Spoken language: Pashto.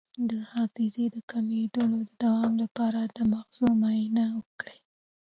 د حافظې د کمیدو د دوام لپاره د مغز معاینه وکړئ